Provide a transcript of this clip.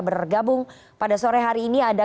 bergabung pada sore hari ini ada